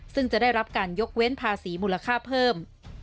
ซึ่งจะได้รับการยกเว้นภาษีมูลค่าเพิ่ม